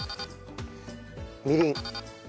みりん。